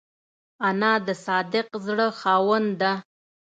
انا د صادق زړه خاوند ده